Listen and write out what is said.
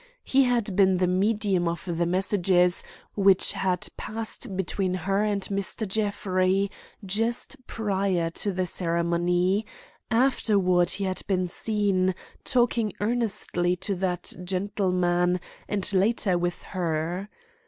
He had been the medium of the messages which had passed between her and Mr. Jeffrey just prior to the ceremony; afterward he had been seen talking earnestly to that gentleman and later with her.